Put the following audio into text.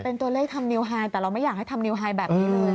เป็นตัวเลขทำนิวไฮแต่เราไม่อยากให้ทำนิวไฮแบบนี้เลย